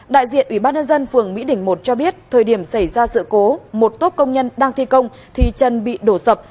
đại diện ủy ban nhân dân phường mỹ đỉnh một cho biết thời điểm xảy ra sự cố một tốp công nhân đang thi công thì chân bị đổ sập